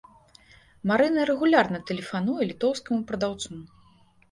Марына рэгулярна тэлефануе літоўскаму прадаўцу.